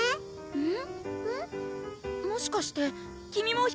うん！